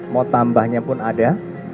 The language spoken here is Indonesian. mau tambahnya pun ada